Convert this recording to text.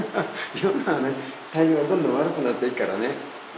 嫁のね体調がどんどん悪くなっていくからね